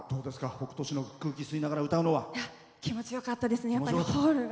北斗市の空気を吸いながら気持ちよかったですね。